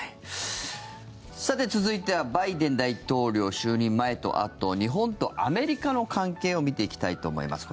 さて、続いてはバイデン大統領就任前とあと日本とアメリカの関係を見ていきたいと思います。